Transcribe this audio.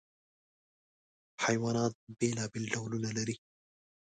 حیوانات بېلابېل ډولونه لري.